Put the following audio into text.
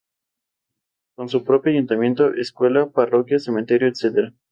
Representó a Venezuela en varias conferencias internacionales.